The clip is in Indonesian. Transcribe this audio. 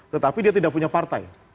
tetapi dia tidak punya partai